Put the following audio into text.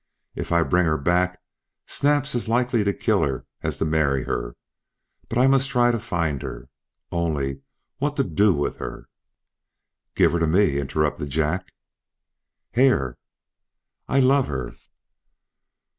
"If I bring her back Snap's as likely to kill her as to marry her. But I must try to find her. Only what to do with her " "Give her to me," interrupted Jack. "Hare!" "I love her!"